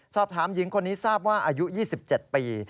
สอบถามหญิงคนนี้ทราบว่าอายุ๒๗ปี